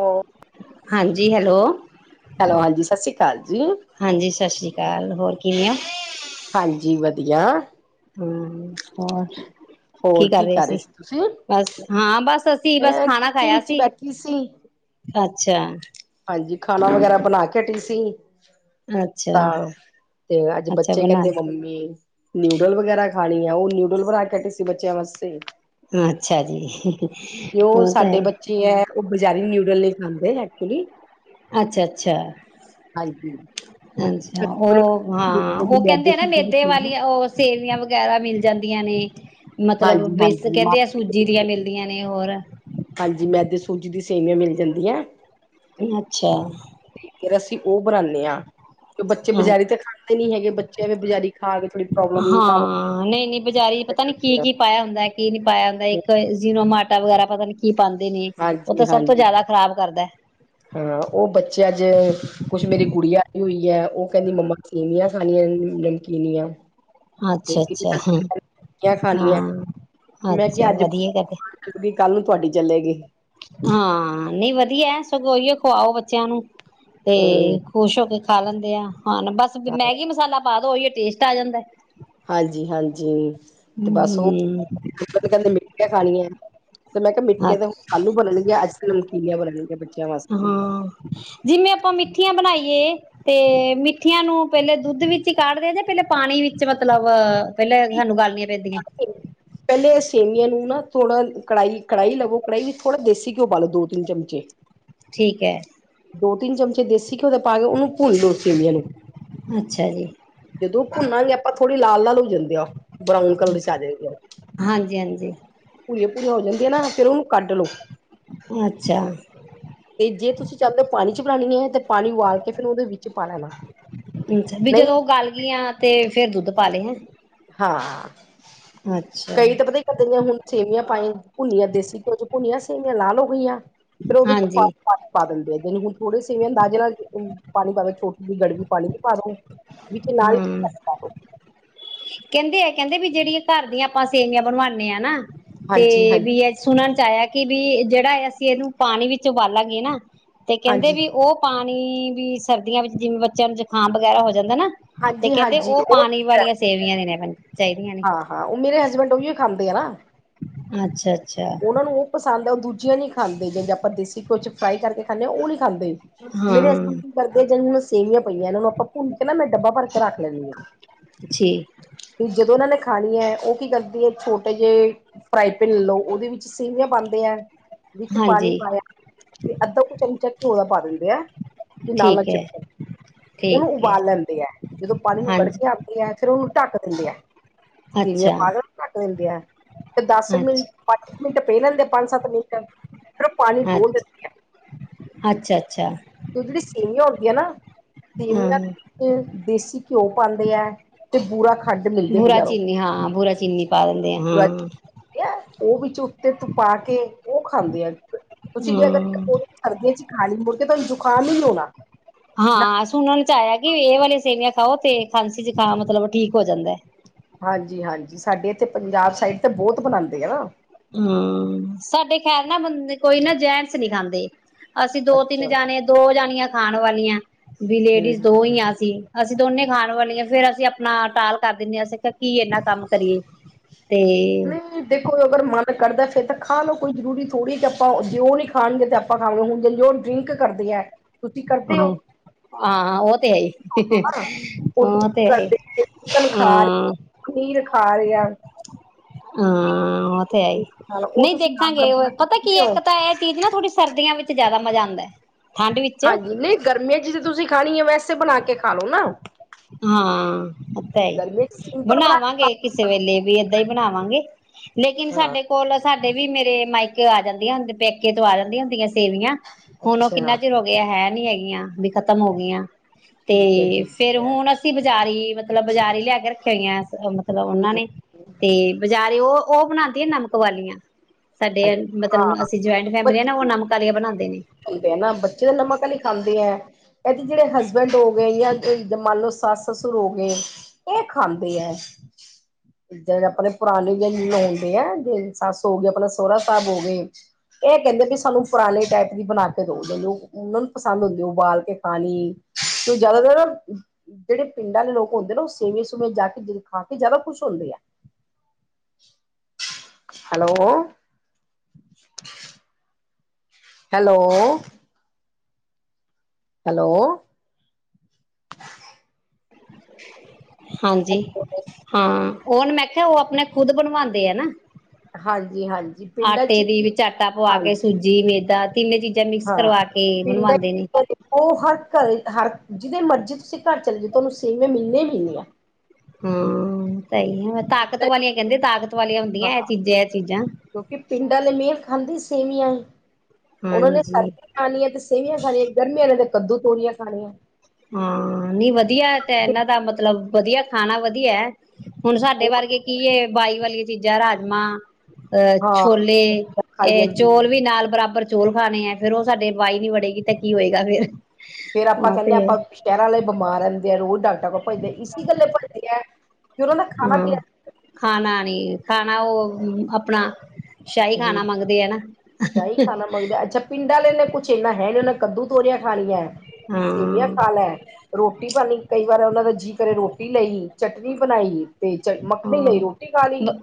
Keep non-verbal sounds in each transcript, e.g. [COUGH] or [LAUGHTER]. ਹੋ ਹਾਂਜੀ hello, hello ਹਾਂਜੀ ਸਤਿ ਸ੍ਰੀ ਅਕਾਲ ਜੀ ਹਾਂਜੀ ਸਤਿ ਸ਼੍ਰੀ ਅਕਾਲ, ਹੋਰ ਕਿਵੇਂ ਆ? ਹਾਂਜੀ ਵਧੀਆ, ਹੂੰ, ਹੋਰ ਕੀ ਕਰ ਰਹੇ ਸੀ ਬਸ ਹਾਂ ਬਸ, ਅਸੀਂ ਬਸ ਮੈਂ ਖਾਣਾ ਖਾਇਆ ਕਿਚਨ ਚ ਸੀ। ਬੈਠੀ ਸੀ ਅੱਛਾ, ਹਾਂਜੀ ਖਾਣਾ ਵਗੈਰਾ ਬਣਾ ਕੇ ਹਟੀ ਸੀ। ਅੱਛਾ ਤਾਂ, ਤੇ ਅੱਜ ਅੱਛਾ ਬੱਚੇ ਬਣਾ ਕਹਿੰਦੇ ਮੰਮੀ ਨਿਊਡਲ ਵਗੈਰਾ ਖਾਣੀ ਆ ਉਹ ਨਿਊਡਲ ਬਣਾ ਕੇ ਹਟੀ ਸੀ, ਬੱਚਿਆਂ ਵਾਸਤੇ, ਅੱਛਾ ਜੀ, ਕਿ ਉਹ ਤਾਂ ਸਾਡੇ ਹੈ ਬੱਚੇ ਹੈ, ਉਹ ਬਜ਼ਾਰੀ ਨਿਊਡਲ ਨਈ ਖਾਂਦੇ ਐਕਚੁਲੀ ਅੱਛਾ, ਅੱਛਾ, ਹਾਂਜੀ ਅੱਛਾ ਉਹ ਹਾਂ, ਉਹ ਕਹਿੰਦੇ ਨਾ ਮੇਦੇ ਵਾਲੀ ਉਹ ਸੇਵੀਆਂ ਵਗੈਰਾ ਮਿਲ ਜਾਂਦੀਆਂ ਨੇ, ਮਤਲਬ ਹਾਂਜੀ ਬੇਸ ਹਾਂਜੀ ਮ ਕਹਿੰਦੇ ਆ ਸੂਜੀ ਮਿਲਦੀਆਂ ਨੇ ਹੋਰ ਹਾਂਜੀ ਮੈਦੇ ਸੂਜੀ ਦੀ ਸੇਵੀਆਂ ਮਿਲ ਜਾਂਦੀਆਂ। ਅੱਛਾ। ਫਿਰ ਅਸੀਂ ਉਹ ਬਣਾਉਦੇ ਹਾਂ। ਕਿ ਬੱਚੇ ਬਜਾਰੀ ਤਾਂ ਖਾਂਦੇ ਨੀ ਹੈਗੇ ਬੱਚਿਆਂ ਵੀ ਬਜ਼ਾਰੀ ਖਾ ਕੇ ਥੋੜੀ ਪ੍ਰੋਬਲਮ ਨਾ। ਹਾਂ ਨਹੀਂ ਨਹੀਂ ਬਜ਼ਾਰੀ ਪਤਾ ਨੀ ਕੀ ਕੀ ਪਾਇਆ ਹੁੰਦਾ ਕੀ ਨੀ ਪਾਇਆ ਹੁੰਦਾ ਇੱਕ ਜਿਨੋਮੋਟੋ ਵਗੈਰਾ ਪਤਾ ਨੀ। ਕੀ ਪਾਉਂਦੇ ਨੇ ਉਹ ਤਾਂ ਸਭ ਤੋਂ ਹਾਂਜੀ-ਹਾਂਜੀ ਜਿਆਦਾ ਖ਼ਰਾਬ ਕਰਦਾ। ਹਾਂ ਉਹ ਬੱਚੇ ਅੱਜ ਕੁਛ ਮੇਰੀ ਗੁੜੀਆ ਆਈ ਹੋਈ ਹੈ ਉਹ ਕਹਿੰਦੀ ਮੰਮਾ ਸੇਵੀਆਂ ਖਾਣੀਆ ਨਮਕੀਨੀਆਂ। ਅੱਛਾ ਅੱਛਾ ਰੋਟੀਆਂ ਹ ਖਾਣੀਆਂ ਹਾਂ ਅੱਛਾ ਵਧੀਆ ਕਰਦੇ। ਕਿਉਂਕਿ ਕੱਲ੍ਹ ਨੂੰ ਤੁਹਾਡੀ ਚੱਲੇਗੀ। ਹਾਂ ਨਹੀਂ ਵਧੀਆ ਸਗੋਂਈਏ ਖਵਾਓ ਬੱਚਿਆਂ ਨੂੰ ਤੇ ਹੂੰ ਖੁਸ਼ ਹੋ ਕੇ ਖਾ ਲੈਂਦੇ ਆ ਹਾਂ ਬਸ ਮੈਗੀ ਮਸਾਲਾ ਪਾ ਦੋ ਉਹੀ ਟੇਸਟ ਆ ਜਾਂਦਾ। ਹਾਂਜੀ ਹਾਂਜੀ ਤੇ ਬਸ ਉਹ ਹਮ ਕਹਿੰਦੇ ਮੀਠੀਆ ਖਾਣੀਆਂ। ਤੇ ਮੈਂ ਕਿਹਾ ਮਿੱਠੀਆਂ ਦੇ ਅੱਛਾ ਆਲੂ ਬਣਨਗੀਆਂ ਅੱਜ ਨਮਕੀਲੀਆਂ ਬਣਨਣਗੀਆਂ। ਹਾਂ ਜਿਵੇਂ ਆਪਾਂ ਮਿੱਠੀਆਂ ਬਣਾਈਏ ਤੇ ਮਿੱਠੀਆਂ ਨੂੰ ਪਹਿਲੇ ਦੁੱਧ ਵਿੱਚ ਹੀ ਕਾਢਦੇ ਆ ਜੇ ਪਹਿਲੇ ਪਾਣੀ ਵਿੱਚ ਮਤਲਬ ਪਹਿਲੇ ਸਾਨੂੰ ਗੱਲਨੀਆਂ? ਵਧੀਆਂ। ਪਹਿਲੇ ਸੇਮੀਆਂ ਨੂੰ ਨਾ ਥੋੜਾ ਕੜਾਹੀ ਕੜਾਹੀ ਲਵੋ ਕੜਾਹੀ ਵਿੱਚ ਥੋੜ੍ਹਾ ਦੇਸੀ ਘਿਓ ਪਾਾਲੋ ਦੋ ਤਿੰਨ ਚਮਚੇ ਠੀਕ ਹੈ। ਦੋ ਤਿੰਨ ਚਮਚੇ ਦੇਸੀ ਘਿਓ ਦੇ ਪਾ ਕੇ ਉਹਨੂੰ ਭੁਣੀ ਲੋ ਸੇਵੀਆਂ ਨੂੰ। ਅੱਛਾ ਜੀ ਜਦੋਂ ਭੁਨਾਗੇ ਆਪਾਂ ਥੋੜ੍ਹੀ ਲਾਲ ਲਾਲ ਹੋ ਜਾਂਦੇ ਆ। ਬਰਾਊਨ ਕਲਰ ਚ ਆ ਜਾ ਹਾਂਜੀ ਹਾਂਜੀ ਭੂਰੀਆਂ ਭੂਰੀਆਂ ਹੋ ਜਾਂਦੀਆਂ ਨਾ ਫਿਰ ਉਹਨੂੰ ਕੱਢ ਲੋ। ਅੱਛਾ। ਚੱਲ ਪਾਣੀ ਚ ਬਣਾਉਣੀ ਹੈ ਤੇ ਪਾਣੀ ਉਾ ਬਾਲ ਕੇ ਫਿਰ ਉਹਦੇ ਵਿੱਚ ਪਾ ਲੈਣਾਵਾ ਗੱਲ ਗਈਆਂ। ਤੇ ਫੇਰ ਦੁੱਧ ਪਾ ਲਈ ਦਾ ਹਾਂ ਅੱਛਾ ਕਈ ਤਾਂ ਪਤਾ ਦੀਆਂ ਹੁਣ ਸੇਵੀਆਂ ਪਾਾਈ ਭੁੰਨੀਆਂ ਦੇਸੀ ਘਿਓ ਚ ਭੁੰਨੀਆਂ ਸੇਵੀਆਂ ਲਾਲ ਹੋ ਗਈਆਂ। ਫਿਰ ਉਹਦੇ ਚ ਪਾ ਹਾਂਜੀ ਪਾਣੀ ਪਾ ਦਿਂਦੇ ਆ ਜਿਨ ਹੁਣ ਥੋੜੇ ਸੇਵੀਆ ਨਾਲ ਪਾਣੀ ਪਾ ਛੋਟੀ ਜਹੀ ਗੜਬੀ ਪਾੀ ਤੇ ਪਾ ਦ ਵਿੱਚ ਨਾਲ ਹਮ ਹੀ ਕਹਿੰਦੇ ਆ ਕਹਿੰਦੇ ਵੀ ਜਿਹੜੀਆਂ ਘਰ ਦੀਆਂ ਆਪਾਂ ਸੇਵੀਆਂ ਬਣਵਾਉਂਦੇ ਹ ਨਾ ਤੇ ਹਾਂਜੀ, ਹਾਂਜੀ, ਵੀ ਸੁਣਨ ਚ ਆਇਆ ਕਿ ਵੀ ਜਿਹੜਾ ਅਸੀਂ ਇਹਨੂੰ ਪਾਣੀ ਵਿੱਚ ਉਬਾਲਾਂਗੇ ਨਾ ਤੇ ਕਹਿੰਦੇ ਹਾਂਜੀ, ਵੀ ਉਹ ਪਾਣੀ ਵੀ ਸਰਦੀਆਂ ਵਿੱਚ ਜਿਵੇਂ ਬੱਚਿਆਂ ਨੂੰ ਜੁਕਾਮ ਵਗੈਰਾ ਹੋ ਜਾਂਦਾ ਨਾ ਤੇ ਹਾਂਜੀ, ਕਹਿੰਦੇ ਹਾਂਜੀ ਉਹ ਪਾਣੀ ਠੀਕ ਹੈ। ਵਾਲੀਆਂ ਸੇਵੀਆਂ ਦੇ ਨੇ ਚਾਹੀਦੀਆਂ ਨੇ। ਹਾਂ, ਹਾਂ ਉਹ ਮੇਰੇ ਹਸਬੈਂਡ ਉਹ ਵੀ ਖਾਂਦੇ ਆ ਨਾ। ਅੱਛਾ ਅੱਛਾ। ਉਹਨਾ ਨੂੰ ਉਹ ਪਸੰਦ ਹੈ ਉਹ ਦੂਜੀਆਂ ਨਹੀਂ ਖਾਂਦੇ ਜਿਦੇ ਆਪਾਂ ਦੇਸੀ ਕੁ ਫਰਾਈ ਕਰਕੇ ਖਾਂਦੇ ਹ ਉਹ ਨਹੀਂ ਖਾਂਦੇ। ਮੇਰੇ ਹਸਬੈਂਡ ਹਾਂ ਕੀ ਕਰਦੇ ਆ ਜਿਵੇ ਸੇਵੀਆਂ ਪਈਆਂ ਇਹਨ ਨੂੰ ਆਪਾਂ ਭੁੱਲ ਕੇ ਨਾ ਮੈਂ ਡੱਬਾ ਭਰ ਕੇ ਰੱਖ ਲੈਂਦੀ ਹਾਂ। ਜੀ। ਵੀ ਜਦੋਂ ਉਹਨਾਂ ਨੇ ਖਾਣੀ ਹੈ ਉਹ ਕੀ ਕਰਦੀ ਹੈ ਛੋਟੇ ਜਿਹੇ ਫਰਾਈ ਪੈਨ ਲਓ ਉਹਦੇ ਵਿੱਚ ਸੇਵੀਆਂ ਪਾਉਂਦੇ ਹੈ ਵਿੱਚ ਪਾਣੀ ਹਾਂਜੀ ਪਾਇਆ ਤੇ ਅੱਧਾ ਕੁ ਚਮਚਾ ਘਿਓ ਦਾ ਪਾ ਦਿੰਦੇ ਆ ਤੇ ਨਾਲ ਨਾ ਠੀਕ ਹੈ ਚਿਪਕਣ। ਉਹਨੂੰ ਠੀਕ ਹੈ ਉਬਾਲ ਲੈਂਦੇ ਹੈ ਜਦੋਂ ਪਾਣੀ ਨੂੰ ਕੱਢ ਹਾਂਜੀ ਕੇ ਫਿਰ ਉਹਨੂੰ ਢੱਕ ਦਿੰਦੇ ਆ ਸੇਵੀਆਂ ਅੱਛਾ ਪਾਕੇ ਨੂੰ ਢੱਕ ਦਿੰਦੇ ਆ ਫਿਰ ਦੱਸ ਮਿੰਟ ਅੱਛਾ ਪੰਜ ਮਿੰਟ ਪੈ ਲੈਂਦੇ ਪੰਜ ਸੱਤ ਮਿੰਟ ਸਿਰਫ ਪਾਣੀ ਅੱਛਾ ਡੋਲ੍ਹ ਦਿੰਦੇ ਆ। ਅੱਛਾ ਅੱਛਾ ਤੇ ੳਹ ਜਿਹੜੀ ਸੇਵੀਆਂ ਹੁੰਦੀਆਂ ਨੇ ਨਾ ਸੇਵੀਆ ਹਾਂ ਤੇ ਦੇਸੀ ਘਿਓ ਪਾਉਂਦੇ ਹੈ। ਤੇ ਬੁਰਾ ਖੰਡ ਮਿਲਦੇ ਬੂਰਾ ਬਜ਼ਾਰੋਂ ਚੀਨੀ ਹਾਂ ਬੂਰਾ ਚੀਨੀ ਪਾ ਦਿੰਦੇ ਬੁਰਾ ਹਾਂ ਉਹ ਵਿੱਚ ਉੱਤੇ ਤ ਪਾ ਕੇ ਉਹ ਖਾਂਦੇ ਆ ਤੁਸੀਂ ਜੇ ਅਗਰ ਹਮ ਸਰਦੀਆਂ ਚ ਹੀ ਖਾਣੀ ਮੁੜਕੇ ਤੁ ਜ਼ੁਕਾਮ ਨਹੀ ਹੋਣਾ। ਹਾਂ ਹਾਂ ਸੁਣਨ ਚ ਆਇਆ ਕਿ ਇਹ ਵਾਲੀਆਂ ਸੇਵੀਆਂ ਖਾਓ ਤੇ ਖਾਂਸੀ ਚ ਖਾ ਮਤਲਬ ਠੀਕ ਹੋ ਜਾਂਦਾ। ਹਾਂਜੀ ਹਾਂਜੀ ਸਾਡੇ ਇੱਥੇ ਪੰਜਾਬ ਸਾਈਡ ਤੇ ਬਹੁਤ ਬਣਾਉਂਦੇ ਆ ਨਾ। ਹਮ ਸਾਡੇ ਖੈਰ ਨਾ ਬੰਦੇ ਕੋਈ ਨਾ ਜੈਂਟਸ ਨਹੀਂ ਖਾਂਦੇ। ਅਸੀਂ ਦੋ ਤਿੰਨ ਅੱਛਾ ਜਾਣੇ ਦੋ ਜਾਣੀਆਂ ਖਾਣ ਵਾਲੀਆਂ ਵੀ ਲੇਡੀਜ਼ ਹਮ ਦੋ ਹੀ ਆ ਸੀ। ਅਸੀਂ ਦੋਨੇ ਖਾਣ ਵਾਲੀ ਫੇਿਰ ਅਸੀਂ ਆਪਣਾ ਟਾਲ ਕਰ ਦਿੰਦੇ ਹਾਂ ਅਸੀਂ ਕੀ ਇਨਾ ਕੰਮ ਕਰੀਏ। ਤੇ ਨਹੀਂ ਦੇਖੋ ਅਗਰ ਮਨ ਕਰਦਾ ਫਿਰਰ ਖਾ ਲੋ ਕੋਈ ਜ਼ਰੂਰੀਥੋੜੀ ਜ ਆਪਾਂ ਜਓ ਨੀ ਖਾਣਗੇ ਤੇ ਖਾਵਾਂਗੇ ਹੁਣ ਜੋ ਉਹ ਡਰਿੰਕ ਕਰਦੇ ਹੈ ਤੁਸੀਂ ਕਰਦੇ ਹੋ? ਆਹ ਉਹ ਤੇ ਹੈ ਹੀ ਉਹ ਤੇ ਹੈ ਹਮ। ਖਮੀਰ ਖਾ ਰਿਹਾ। ਹਾਂ ਉ ਤੇ ਹੈ ਈ ਉਹ ਨਹੀਂ ਤੁਸੀਂ ਨਾਲ ਦੇਖਾਂਗੇ ਉ ਬਰਾਬਰ ਪਤਾ ਕੀ ਪੀਂਦੇ ਹੋ ਇੱਕ ਤਾਂ ਇਹ ਚੀਜ਼ ਨਾ ਥੋੜੀ ਸਰਦੀਆਂ ਵਿੱਚ ਜਿਆਦਾ ਮਜ਼ਾ ਆਂਦਾ ਐ। ਹਾਂਜੀ ਨਹੀਂ ਗਰਮੀਆਂ ਚ ਜੇ ਤੁਸੀਂ ਖਾਣੀ ਏ ਵੈਸੇ ਬਣਾ ਕੇ ਖਾ ਲੋ ਨਾ। ਹਾਂ ਓ ਤਾਂ ਹੈ ਈ ਗਰਮੀਆਂ ਚ ਸਿੰਪਲ ਬਣਾ ਕੇ ਬਣਾਵਾਂਗੇ ਕਿਸੇ ਵੇਲੇ ਵੀ ਏਦਾਂ ਈ ਬਣਾਵਾਂਗੇ। ਲੇਕਿਨ ਖਾ ਹਾਂ ਸਾਡੇ ਕੋਲ ਸਾਡੇ ਵੀ ਮੇਰੇ ਮਾਇਕੇ ਆ ਜਾਂਦੀਆਂ ਆ ਪੇਕੇ ਤੋਂ ਆ ਜਾਂਦੀਆਂ ਹੁੰਦੀਆਂ ਸੀ। ਸੇਵੀਆਂ ਹੁਣ ਓ ਕਿੰਨਾ ਅੱਛਾ ਚਿਰ ਹੋ ਗਿਆ ਹੈ ਨੀ ਹੈਗੀਆਂ ਬੀ ਖ਼ਤਮ ਹੋ ਗਈਆਂ। ਤੇ ਠੀਕ ਹੈ ਠੀਕ ਫੇਰ ਹੈ ਹੁਣ ਅਸੀਂ ਬਜ਼ਾਰੀ ਮਤਲਬ ਬਜ਼ਾਰੀ ਲਿਆ ਕੇ ਰੱਖੀਆਂ ਹੋਈਆਂ ਮਤਲਬ ਹਮ ਉਹਨਾਂ ਨੇ ਤੇ ਬਜ਼ਾਰੇ ਓ ਓ ਬਣਾਉਂਦੀ ਆ ਨਮਕ ਵਾਲੀਆਂ। ਸਾਡੇ ਹਾਂ ਮਤਲਬ ਅਸੀਂ ਜੋਇੰਟ ਫੈਮਲੀ ਆ ਨਾ ਓ ਨਮਕ ਵਾਲੀਆਂ ਬਣਾਉਂਦੇ ਨੇ। ਹੁਣ ਤੇ ਨਾ ਬੱਚੇ ਨਮਕ ਆਲੀ ਖਾਂਦੇ ਐ। ਐ ਤੇ ਜਿਹੜੇ ਹਸਬੈਂਡ ਹੋ ਗਏ ਜਾਂ ਮੰ ਲਓ ਸੱਸ ਸਸੁਰ ਹੋ ਗਏ ਏ ਖਾਂਦੇ ਐ। ਜਿੱਦਾਂ ਜੇੜੇ ਆਪਣੇ ਪੁਰਾਣੇ ਜੇਂ ਹੁੰਦੇ ਹੈ ਜੇ ਸੱਸ ਹੋ ਗਏ ਆਪਣਾ ਸੋਹਰਾ ਸਾਹਿਬ ਹੋ ਗਏ ਇਹ ਕਹਿੰਦੇ ਪੇ ਸਾਨੂੰ ਫਰਾਲੇ ਟਾਈਪ ਦੀ ਬਣਾ ਕੇ ਦੋ ਮੈਨੂੰ ਉਹਨਾਂ ਨੂੰ ਪਸੰਦ ਹੁੰਦੀ ਆ ਉਬਾਲ ਕੇ ਖਾਣੀ, ਤੇ ਜਾਦਾ ਜਾਦਾ ਜਿਹੜੇ ਪਿੰਡਾਂ ਦੇ ਲੋਕ ਹੁੰਦੇ ਨਾ ਉਹ ਸੇਵੀਆਂ ਸੁਵਿਆਂ ਜਾ ਕੇ ਖਾ ਕੇ ਜ਼ਿਆਦਾ ਖੁਸ਼ ਹੁੰਦੇ ਆ। ਹੈਲੋ। ਹੈਲੋ। ਹੈਲੋ ਹਾਂਜੀ ਹਾਂ ਓਨ ਮੈਂ ਖ਼ਿਆ ਉਹ ਅਪਣੇ ਖੁਦ ਬਣਵਾਉਂਦੇ ਆ ਨਾ। ਹਾਂਜੀ ਹਾਂਜੀ ਪਿੰਡਾਂ ਆਟੇ ਚ ਦੀ ਵਿੱਚ ਆਟਾ ਪਵਾ ਕੇ ਹਾਂਜੀ ਸੂਜ ਈ ਮੇਦਾ, ਤਿੰਨੇ ਚੀਜ਼ਾਂ ਮਿਕਸ ਹਾਂ ਕਰਵਾ ਕੇ ਪਿੰਡਾਂ ਚ ਬਣਵਾਂਦੇ ਨੇ। ਉਹ ਹਰ ਘਰ ਹਰ ਜਿਹਦੇ ਮਰਜ਼ੀ ਤੁਸੀਂ ਘਰ ਚਲੇ ਜਾੳ, ਤੁਹਾਨੂੰ ਸੇਵੀਆਂ ਮਿਲਨੀਆ ਈ ਮਿਲਨੀਆਂ। ਹਾਂ, ਸਹੀ ਹੈ ਤਾਕਤ ਵਾਲੀਆਂ ਕਹਿੰਦੇ ਤਾਕਤ ਵਾਲੀਆਂ ਹਾਂ ਹੁੰਦੀਆਂ ਇਹ ਚੀਜ਼ਾਂ ਇਹ ਚੀਜ਼ਾਂ। ਕਿਉਂਕਿ ਪਿੰਡਾਂ ਲੇ ਮਿਹਰ ਖਾਂਦੇ ਈ ਸੇਵੀਆ ਉਹਨਾਂ ਨੇ ਹਾਂਜੀ ਖਾਣੀਆਂ ਤੇ ਸੇਵੀਆਂ ਖਾਨੀਆ ਗਰਮੀਆਂ ਨੇ ਤਾਂ ਕੱਦੂ ਤੋਰੀਆਂ ਖਾਣੀਆਂ। ਹਾਂ ਨੀ ਵਧੀਆ ਏ ਤਾ ਏਨਾ ਦਾ ਮਤਲਬ ਵਧੀਆ ਏ ਖਾਣਾ ਵਧੀਆ ਏ। ਹੁਣ ਸਾਡੇ ਵਰਗੇ ਕੀ ਏ ਬਾਈ ਵਾਲੀਆਂ ਚੀਜ਼ਾਂ ਰਾਜਮਾਂ। ਅ ਹਾਂ ਛੋਲੇ ਖਾਈ ਇਹ ਜਾਂਦੀ ਐ ਚੋਲ ਵੀ ਨਾਲ ਬਰਾਬਰ ਚੋਲ ਖਾਣੇ ਆ ਫੇਰ ਓ ਸਾਡੇ ਬਾਈ ਨੀ ਬਣੇਗੀ ਤੇ ਕੀ ਹੋਏਗਾ ਫੇਿਰ। ਫੇਰ ਆਪਾਂ ਕਹਿਨੇ ਆ ਆਪਾਂ ਸ਼ਹਿਰਾਂ ਆਲੇ ਬਿਮਾਰ ਰਹਿੰਦੇ ਆ ਰੋਜ਼ ਡਾਕਟਰਾਂ ਕੋਲ ਭੱਜਦੇ ਆ ਇਸੀ ਗੱਲੇ ਭੱਜਦੇ ਆ ਉਹਨਾਂ ਦਾ ਖਾਣਾ ਹਾਂ ਪੀਣਾ ਖਾਣਾ ਨੀ ਖਾਣਾ ਉਹ ਆਪਣਾ ਸ਼ਾਹੀ ਖਾਣਾ ਹੂੰ, ਮੰਗਦੇ ਆ ਨਾ। ਪਿੰਡਾਂ ਆਲੇ ਨੇ ਕੁਛ ਇਨਾ ਹੈ ਨਹੀ ਉਨ੍ਹਾਂ ਕੱਦੂ ਤੋਰੀਆਂ ਖਾਣੀਆਂ ਸੇਵੀਆਂ ਖਾ ਹਾਂ-ਹਾਂ ਲੈ। ਰੋਟੀ ਪਾਣੀ ਕਈ ਵਾਰ ਉਹਨਾਂ ਦਾ ਜੀ ਕਰੇ ਰੋਟੀ ਲਈ ਚਟਨੀ ਬਣਾਈ। ਤੇ ਚ ਮੱਖਣੀ ਲਈ ਰੋਟੀ ਖਾ ਲਈ ਹਾ,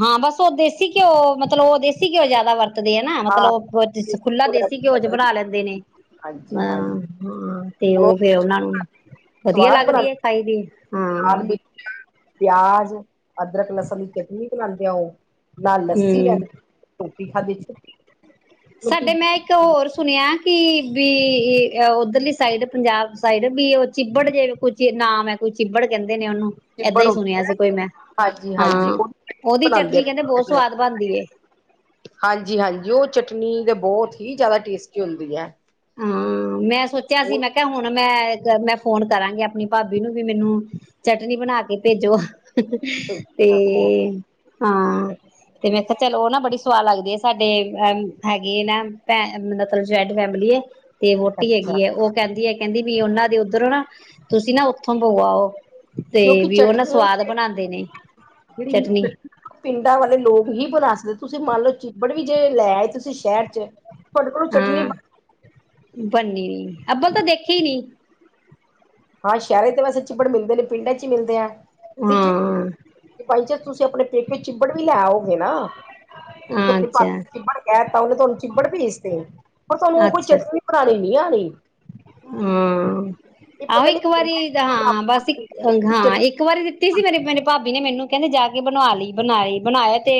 ਹਾਂ ਬਸ ਉਹ ਦੇਸੀ ਘਿਓ ਮਤਲਬ ਓ ਦੇਸੀ ਘਿਓ ਜਿਆਦਾ ਵਰਤ [UNINTELLIGIBLE] ਹਾਂ, ਮਤਲਬ ਉਹ ਖੁੱਲਾ ਦੇਸੀ ਘਿਓ ਚ ਬਣਾ ਲੈਂਦੇ ਨੇ। [UNINTELLIGIBLE] ਹਾਂਜੀ-ਹਾਂਜੀ, ਹਾਂ ਤੇ ਉਹ ਫੇਰ ਉਹਨਾਂ ਨੂੰ ਵਧੀਆ ਸਵਾਦ ਲੱਗਦੀ ਬਣਾਦੇ ਹੈ ਖਾਈ ਦੀ ਲਾਲ ਹਾਂ ਮਿਰਚਾਂ, ਪਿਆਜ, ਅਦਰਕ, ਲਸਣ ਦੀ ਚਟਨੀ ਬਨਾਉਂਦੇ ਆ ਓ। ਨਾਲ ਲੱਸੀ ਹੂੰ [UNINTELLIGIBLE] ਰੋਟੀ ਖਾਦੀ, ਛੁੱਟੀ। ਰੋਟੀ ਸਾਡੇ ਮਾਈਕ ਤੋ ਹੋਰ ਸੁਣਿਆ ਕਿ ਬੀ ਉੱਧਰਲੀ ਸਾਈਡ ਪੰਜਾਬ ਸਾਈਡ ਬੀ ਉਹ ਚਿੱਬੜ ਜੇ ਕੁਛ ਕੇ ਨਾਮ ਐ ਕੋਈ ਚਿੱਬੜ ਕਹਿੰਦੇ ਨੇ ਓਨੂੰ ਏਦਾਂ ਚਿੱਬੜ ਈ ਸੁਣਿਆ ਹੁੰਦਾ ਸੀ ਕੋਈ ਮੈਂ, ਹਾਂਜੀ-ਹਾਂਜੀ, ਹਾਂ, ਉਹ ਉਹਦੀ ਬਣਾਦੇ ਚਟਨੀ ਕਹਿੰਦੇ ਬਹੁਤ ਸਵਾਦ ਬਣਦੀ ਏ। ਹਾਂਜੀ ਹਾਂਜੀ, ਉਹ ਚਟਨੀ ਤੇ ਬਹੁਤ ਹੀ ਜ਼ਿਆਦਾ ਟੇਸਟੀ ਹੁੰਦੀ ਹੈ। ਹਾਂ ਮੈਂ ਸੋਚਿਆ ਸੀ ਉਹ ਮੈਂ ਕਿਹਾ, ਹੁਣ ਮੈਂ, ਜਰ ਮੈਂ ਫੋਨ ਕਰਾਂਗੀ ਅਪਣੀ ਭਾਬੀ ਨੂੰ ਵੀ ਮੈਨੂੰ ਚਟਨੀ ਬਣਾ ਕੇ ਭੇਜੋ। ਤੇ ਹਾਂ ਤੇ ਮੈਂ ਕਿਹਾ ਚਲੋ ਉਹ ਨਾ ਬੜੀ ਸਆਦ ਲੱਗਦੀ ਆ ਸਾਡੇ ਅ ਹੈਗੇ ਨੇ ਭੇਂ ਮਤਲਬ ਜੁਆਇੰਟ ਫੈਮਿਲੀ ਏ। ਤੇ ਵੋਟੀ ਹੈਗੀ ਅੱਛਾ, ਏ, ਉਹ ਕਹਿੰਦੀ ਐ ਕਹਿੰਦੀ ਵੀ ਉਹਨਾਂ ਦੇ ਉੱਧਰੋਂ ਨਾ ਤੁਸੀਂ ਨਾ ਉਥੋਂ ਭੋ ਆਓ। ਤੇ ਕਿਉਂਕਿ ਵੀ ਉਹ ਨਾ ਚਟਨੀ ਸਵਾਦ ਬਣਾਦੇ ਨੇ, ਚਟਨੀ। ਜਿਹੜੀ ਪਿੰਡਾਂ ਵਾਲੇ ਲੋਕ ਹੀ ਬਣਾ ਸਕਦੇ, ਤੁਸੀਂ ਮੰਨ ਲਓ ਚਿੱਬੜ ਵੀ ਜੇ ਲੈ ਆਏ ਤੁਸੀਂ ਸ਼ਹਿਰ ਚ ਤੁਹਾਡੇ ਕੋਲ ਚਟਣੀ ਪਾਣ ਬੰਨੀ, ਆਪਾਂ ਤਾਂ ਦੇਖੀ ਨੀ ਹਾਂ ਸ਼ਹਿਰਾਂ ਤੇ ਵੇਸੇ ਚਿੱਪੜ ਮਿਲਦੇ ਨਈ, ਪਿੰਡਾਂ ਚ ਹੀ ਮਿਲਦੇ ਆ, ਤੇ ਹਾਂ ਬਾਈ ਚਾਂਸ ਤੁਸੀਂ ਅਪਣੇ ਪੇਕੇ ਚਿੱਬੜ ਵੀ ਲੈ ਆੳਗੇ ਨਾ ਤੁਸੀਂ ਅਪਣੀ ਭਾਬੀ ਅੱਛਾ ਨੂੰ ਚਿੱਬੜ ਕਹ ਤਾ ਉਹਨੇ ਤੁਹਾਨੂੰ ਚਿੱਬੜ ਭੇਜ ਤੇ, ਪਰ ਤੁਹਾਨੂੰ ਉਹ ਹੀ ਚ ਪੁਰਾਣੀ ਨੀ ਆਣੀ ਹੂੰ। ਇਹ ਆਹੋ ਪਤਾ ਨੀ ਇੱਕ ਵਾਰੀ ਹਾਂ ਬਸ ਇੱਕ, ਹਾਂ ਚਟਨੀ ਇੱਕ ਵਾਰੀ ਦਿੱਤੀ ਸੀ ਮੇਰੀ ਮੇਰੀ ਭਾਬੀ ਭਾਬੀ ਨੇ ਮੈਨੂੰ ਕਹਿਆ ਨਾ ਜਾ ਕੇ ਬਣਾ ਲਈ ਬਣਾਏ, ਬਣਾਏ ਤੇ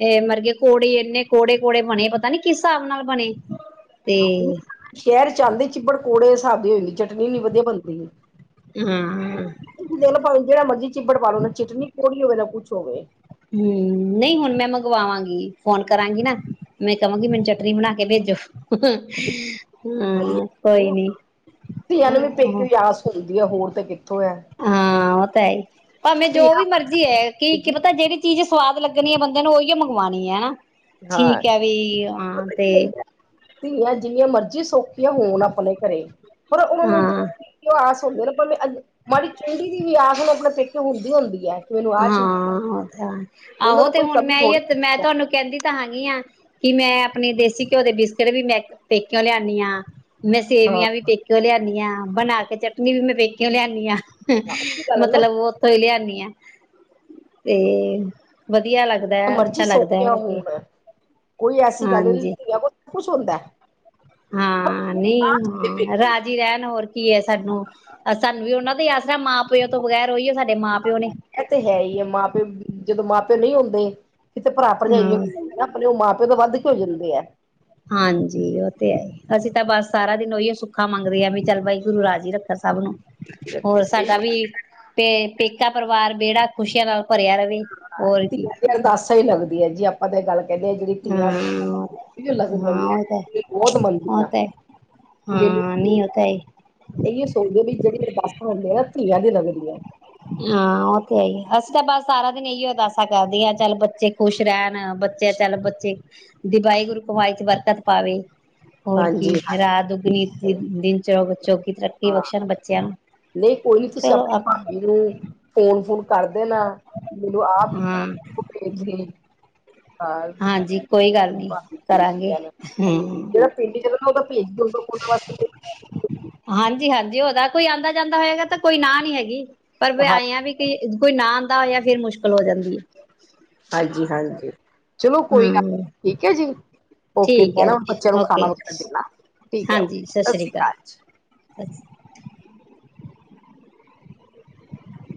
ਇਹ ਮਰਗੇ ਕੋੜੇ ਇੰਨੇ ਕੋੜੇ-ਕੋੜੇ ਬਣੇ ਪਤਾ ਨੀ ਕਿਸ ਹਿਸਾਬ ਨਾਲ ਬਣੇ। ਤੇ ਸ਼ਹਿਰ ਚੱਲਦੇ ਚਿੱਬੜ ਕੌੜੇ ਹਿਸਾਬ ਦੀ ਹੋ ਜਾਂਦੀ, ਚਟਨੀ ਏਨੀ ਵਧੀਆ ਬਣਦੀ। ਹੂੰ-ਹੂੰ। ਤੁਸੀਂ ਦੇਖ ਭਵੇ ਜਿਹੜਾ ਮਰਜ਼ੀ ਚਿੱਬੜ ਪਾ ਲੋ ਨਾ ਚਿਟਨੀ ਕੋੌੜੀ ਹੋਵੇ ਨਾ ਕੁੱਛ ਹੋਵੇ। ਹੂੰ, ਨਹੀਂ ਹੁਣ ਮੈਂ ਮੰਗਵਾਵਾਂਗੀ ਫੋਨ ਕਰਾਂਗੀ ਨਾ। ਮੈਂ ਕਵਾਂਗੀ ਮੈਨੂੰ ਚਟਨੀ ਬਣਾ ਕੇ ਭੇਜੋ। ਹਾਂ, ਕੋਈ ਵਧੀਆ ਨੀ। ਵਧੀਆ ਹੋਰ ਤੇ ਕਿ ਹਾਂ ਉਹ ਤਾਂ ਏ ਹੀ, ਭਾਵੇਂ ਜੋ ਵੀ ਧੀਆਂ ਮਰਜ਼ੀ ਏ ਕਿ ਕੀ ਪਤਾ ਜਿਹੜੀ ਚੀਜ਼ ਸਵਾਦ ਲੱਗਣੀ ਐ, ਬੰਦੇ ਨੂੰ ਉਹੀ ਮੰਗਵਾਣੀ ਹੈਨਾ, ਹਾਂ ਠੀਕ ਐ ਵੀ ਹਾਂ ਪਤਾ ਤੇ ਕੀ ਹੁੰਦਾ ਧੀਆਂ ਜਿੰਨੀਆਂ ਮਰਜੀ ਸੌਖੀਆਂ ਹੋਣ ਆਪਣੇ ਘਰੇ ਪਰ ਉਹਨਾਂ ਨੂੰ ਹਾਂ ਆਸ ਹੁੰਦੇ ਨੇ ਭਾਵੇਂ ਮਾੜੀ ਚੁੰਡੀ ਦੀ ਵੀ ਆਸ ਆਪਣੇ ਪੇਕੇ ਹੁੰਦੀ ਹੁੰਦੀ ਐ। ਹਾਂ ਉਹ ਤਾਂ ਐ। ਉਹਨਾਂ ਆਹੋ ਨੂੰ ਤੇ ਕੋਈ ਹੁਣ ਕਮੀ ਮੈਂ ਏ ਥੋੜੀ ਤੇ ਮੈਂ ਤੁਹਾਨੂੰ ਕਹਿੰਦੀ ਤਾਂ ਹੈਗੀ ਆ ਕਿ ਮੈਂ ਅਪਣੀ ਦੇਸੀ ਘਿਓ ਦੇ ਬਿਸਕਿਟ ਵੀ ਮੈਂ ਪੇਕਿਓ ਲਿਆਂਨੀ ਹਾਂ। ਮੈਂ ਹਾਂ ਸੇਵੀਆਂ ਵੀ ਪੇਕੇਓਂ ਲਿਆਨੀ ਆਂ, ਬਣਾ ਕੇ ਚਟਨੀ ਵੀ ਮੈਂ ਪੇਕੇਓਂ ਲਿਆਨੀ ਆ। ਉਹੀ ਗੱਲ ਹੈ ਨਾ ਮਤਲਬ ਉੱਥੋਂ ਹੀ ਲਿਆਨੀ ਆ, ਤੇ ਵਧੀਆ ਲੱਗਦਾ। ਮਰਜ਼ੀ ਅੱਛਾ ਲੱਗਦਾ ਸੋਖਿਆ ਹੋਰ ਕੀ ਹੋਣ, ਕੋਈ ਐਸੀ ਗੱਲ ਨਹੀ, ਹਾਂਜੀ ਧੀਆਂ ਕੋਲ ਸਭ ਕੁਛ ਹੁੰਦਾ। ਹਾਂ ਨਹੀਂ ਹਾਂ ਪੇਕੇ ਰਾਤ ਰਹਿਣ ਹੋਰ ਕੀ ਐ ਸਾਨੂੰ, ਸਾਨੂੰ ਵੀ ਉਹਨਾਂ ਦਾ ਆਸਰਾ ਐ, ਮਾਂ ਪਿਓ ਤੋਂ ਬਗੈਰ ਉਹੀ ਓ ਸਾਡੇ ਮਾਂ ਪਿ ਪਿਓ ਨੇ। ਇਹ ਤੇ ਹੈ ਹੀ ਏ। ਮਾਂ ਪਿਓ ਜਦੋਂ ਮਾਂ ਪਿਓ ਨਹੀਂ ਹੁੰਦੇ ਫੇਰ ਤੇ ਭਰਾ ਭਰਜਾਈ ਏ ਹਾਂ ੳਹ ਅਪਣੇ ਮਾਂ ਪਿਓ ਤੋ ਵੱਧ ਕੇ ਹੋ ਜਾਂਦੇ ਆ। ਹਾਂਜੀ ਉਹ ਤੇ ਹੈ ਏ। ਅਸੀਂ ਤਾਂ ਬਸ ਸਾਰਾ ਦਿਨ ਉਹੀ ਸੁੱਖਾ ਮੰਗਦੇ ਆ ਵੀ ਚੱਲ ਵਾਹਿਗੁਰੂ ਜੀ ਰਾਜੀ ਰੱਖਨ ਸਭ ਨੂੰ। ਰੱਖਓ ਹੋਰ ਸਹੀ ਸਾਡਾ ਵੀ ਤੇ ਪੇਕਾ ਪਰਿਵਾਰ ਵੇੜਾ ਖੁਸ਼ੀਆਂ ਨਾਲ ਭਰਿਆ ਰਵੇ। ਹੋਰ ਕੀ ਧੀਆਂ ਦੀਆਂ ਅਰਦਾਸਾਂ ਹੀ ਲੱਗਦੀਆਂ ਏ ਜੀ, ਆਪਾਂ ਤੇ ਏ ਗੱਲ ਕਹਿੰਨੇ ਜਿਹੜੀ ਹਾਂ ਧੀਆਂ ਲੱਗ ਜਾਂਦਾ ਹਾਂ ਉਹ ਤਾਂ ਬਹੁਤ ਉਹ ਮੰਨਦੀਆਂ ਤਾਂ ਹਾਂ ਨਹੀਂ ਉਹ ਤਾਂ ਏ। ਇਹੀ ਸੋਚਦੇ ਵੀ ਜਿਹੜੇ ਅਰਦਾਸਾਂ ਹੁੰਦੀਆਂ ਨਾ ਧੀਆਂ ਦੀ ਲੱਗਦੀਆਂ ਏ। ਹਾਂ, ਉਹ ਤੇ ਹੈ ਹੀ ਆ, ਅਸੀਂ ਤਾਂ ਬਸ ਸਾਰਾ ਦਿਨ ਇਹੀ ਅਰਦਾਸਾਂ ਕਰਦੇ ਹਾਂ ਚੱਲ ਬੱਚੇ ਖੁਸ਼ ਰਹਿਣ, ਬੱਚ ਚਲ ਬੱਚੇ, ਜੇ ਵਾਹਿਗੁਰੂ ਕਮਾਈ ਚ ਬਰਕਤ ਪਾਵੇ। ਹੋਰ ਹਾਂਜੀ ਕੀ ਰਾਤ ਦੁੱਗਣੀ ਦਿਨ ਚੁ ਚੁਰਗੀ ਤਰੱਕੀ ਹਾਂ ਬਖਸ਼ਣ ਬੱਚਿਆ ਨੂੰ। [INAUDIBLE] ਨਹੀਂ ਕੋਈ ਨੀ ਤੁਸੀਂ ਚਲੋ ਆਪਣੇ ਮੈਨੂੰ ਫੋਨ ਫੁਨ ਕਰ ਦੇਣਾ ਮੈਨੂੰ ਆਪ ਹਾਂ ਭੇ ਭੇਜ [UNINTELLIGIBLE] ਹਾਂਜੀ ਕੋਈ ਗੱਲ ਨੀ ਕਰਾਂਗੇ ਹੂੰ। ਜਿਹੜਾ ਪਿੰਡ ਚ ਉਹਦਾ ਭੇਜ ਦੁ ਓਹਨਾ ਵਾਸਤੇ ਇਕ ਹਾਂਜੀ-ਹਾਂਜੀ, ਉਹਦਾ ਕੋਈ ਆਂਦਾ ਜਾਂਦਾ ਹੋਏਗਾ ਤਾਂ ਕੋਈ ਨਾ ਨੀ ਹੈਗੀ, ਪਰ ਵੈ ਹਾਂ ਆਏ ਆ ਵੀ। ਪੀ ਕੋਈ ਨਾ ਆਂਦਾ ਹੋਇਆ ਫੇਰ ਮੁਸ਼ਕਿਲ ਹੋ ਜਾਂਦੀ ਏ। ਹਾਂਜੀ ਹਾਂਜੀ, ਚਲੋ ਹੈ ਕੋਈ ਗੱਲ ਹੂੰ। ਠੀਕ ਹੈ ਜੀ। ਓਕੇ ਠੀਕ ਮੈਂ ਹੈ ਨਾ ਜੀ ਬੱਚਿਆਂ ਨੂੰ ਖਾਣਾ ਓਕੇ ਵਗ਼ੈਰਾ ਦੇ ਦਾ, ਠੀਕ ਹੈ ਸਤਿ ਸ੍ਰੀ ਅਕਾਲ। ਅੱ